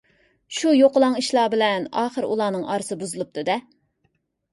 شۇ يوقىلاڭ ئىشلار بىلەن ئاخىرى ئۇلارنىڭ ئارىسى بۇزۇلۇپتۇ-دە.